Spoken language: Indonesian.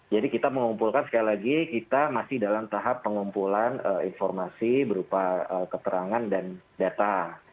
jadi kita mengumpulkan sekali lagi kita masih dalam tahap pengumpulan informasi berupa keterangan dan data